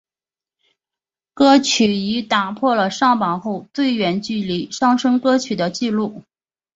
歌曲亦打破了上榜后最远距离上升歌曲的记录。